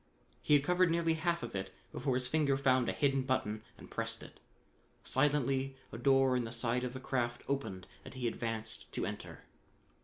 He had covered nearly half of it before his finger found a hidden button and pressed it. Silently a door in the side of the craft opened and he advanced to enter.